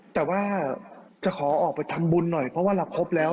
แต่ว่าจะขอออกไปทำบุญหน่อยเพราะว่าเราครบแล้ว